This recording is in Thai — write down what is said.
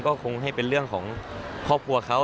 ก็คงให้เป็นเรื่องของครอบครัวเขา